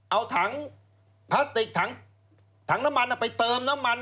เอาถังพลาสติกถังน้ำมันไปเติมน้ำมัน